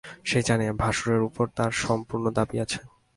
সে জানে ভাশুরের উপর তার সম্পূর্ণ দাবি আছে।